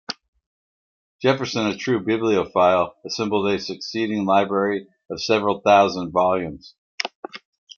Jefferson, a true bibliophile, assembled a succeeding library of several thousand volumes.